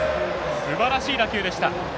すばらしい打球でした。